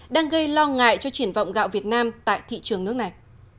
đang gây lo ngại cho triển vọng gạo việt nam tại thị trường nước này